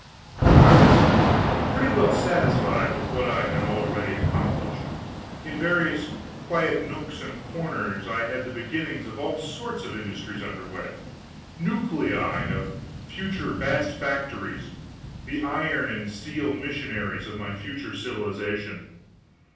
I was pretty well satisfied with what I had already accomplished. In various quiet nooks and corners I had the beginnings of all sorts of industries under way nuclei of future vast factories, the iron and steel missionaries of my future civilization.